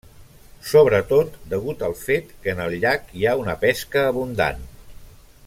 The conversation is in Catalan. Sobretot degut al fet que en el llac hi ha una pesca abundant.